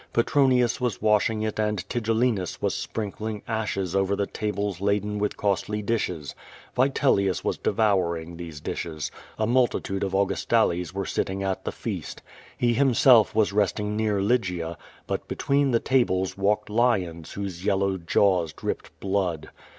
Petronius was washing it and Tigellinu^ was sprinkling ashes over the tables laden with costly dishes. Yitelius was devouring these dishes. A multitude of Augus tales were sitting at the feast. He himself was resting near Lygia; but between the tables walked lions whose yellow jaws dripped blood.